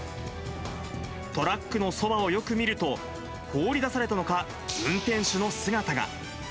トラックのそばをよく見ると、放り出されたのか、運転手の姿が。